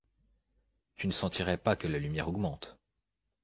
Tu ne sentirais pas que la lumière augmente